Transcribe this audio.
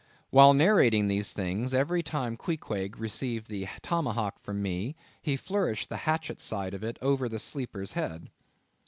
While narrating these things, every time Queequeg received the tomahawk from me, he flourished the hatchet side of it over the sleeper's head.